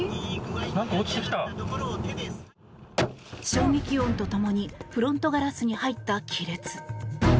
衝撃音と共にフロントガラスに入った亀裂。